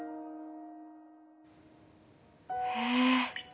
へえ。